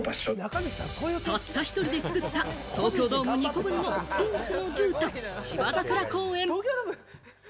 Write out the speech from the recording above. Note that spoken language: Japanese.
たった１人で造った、東京ドーム２個分のピンクの絨毯、芝桜公園。